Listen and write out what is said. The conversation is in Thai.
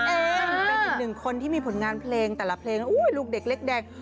เป็นหนึ่งคนที่มีผลงานเพลงแต่ละเพลงลูกเด็กเล็กแดง